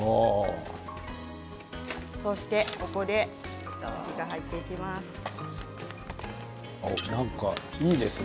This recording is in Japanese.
そしてここで火が入っていきます。